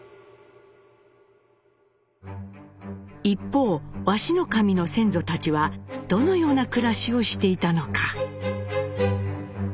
一方鷲神の先祖たちはどのような暮らしをしていたのか？